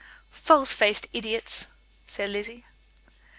"False faced idiots!" said Lizzie.